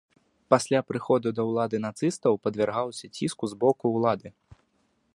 Пасля прыходу да ўлады нацыстаў падвяргаўся ціску з боку ўлады.